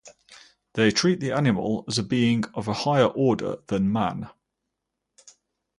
They treat the animal as a being of a higher order than man.